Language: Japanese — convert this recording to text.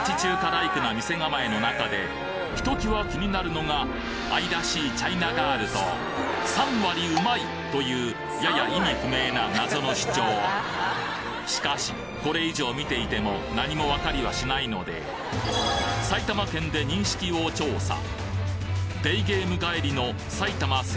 ライクな店構えの中でひと際気になるのが愛らしいチャイナガールと「３割うまい！！」というやや意味不明な謎の主張しかしこれ以上見ていても何も分かりはしないので埼玉県で認識を調査